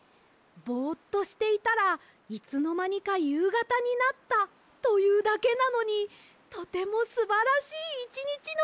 ぼっとしていたらいつのまにかゆうがたになったというだけなのにとてもすばらしいいちにちのようなきがしました！